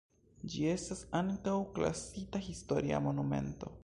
Ĝi estas ankaŭ klasita historia monumento.